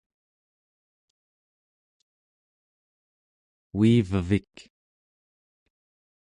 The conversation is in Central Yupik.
uivevik